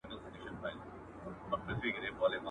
زده کوونکي انلاين درسونه بې دقته نه زده کوي.